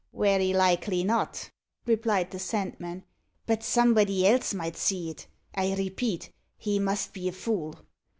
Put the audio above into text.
"Werry likely not," replied the Sandman; "but somebody else might see it. I repeat, he must be a fool.